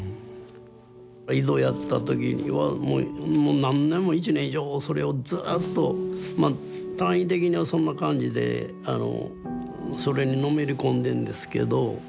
井戸やった時にはもう何年も１年以上それをずっとまあ単位的にはそんな感じでそれにのめり込んでんですけど。